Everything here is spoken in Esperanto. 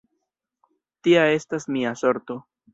Tia estas mia sorto!